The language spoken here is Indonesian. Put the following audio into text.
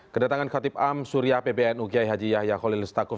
kedatangan khatib am surya pbn ugyai haji yahya khalil stakuf